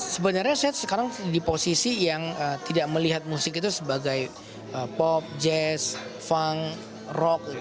sebenarnya saya sekarang di posisi yang tidak melihat musik itu sebagai pop jazz funk rock